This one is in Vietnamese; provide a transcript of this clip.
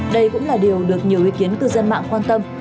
đây cũng là điều được nhiều ý kiến cư dân mạng quan tâm